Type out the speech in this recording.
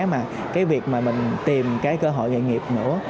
mà cái việc mà mình tìm cái cơ hội nghề nghiệp nữa